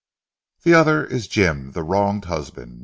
The other is Jim, the wronged husband.